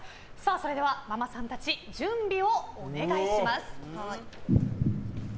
それではママさんたち準備をお願いします。